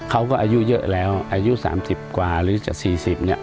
เขาก็อายุเยอะแล้วอายุสามสิบกว่าหรือจากสี่สิบ